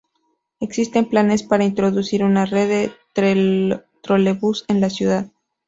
Existen planes para introducir una red de trolebús en la ciudad.